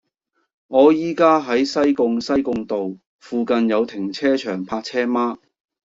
我依家喺西貢西貢道，附近有停車場泊車嗎